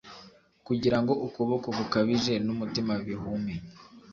Kugira ngo ukuboko gukabije numutima bihume